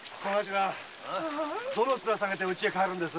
どの面下げて家へ帰るんです？